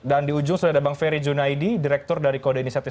dan di ujung sudah ada bang ferry junaidi direktur dari kode inisiatif